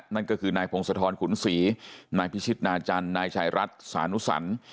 นั่นก็คือนายพงศธรขุนศรีนายพิชิตนาจันทร์นายชายรัฐสานุสัน